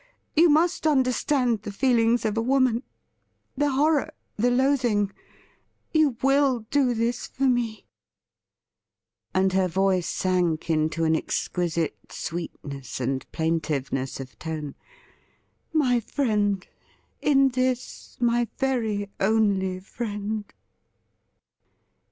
You must understand the feelings of a woman — ^the horror, the loathing ! You will do this for me ^— and her voice sank into an exquisite sweetness and plaintiveness of tone —' my friend — in this my very only friend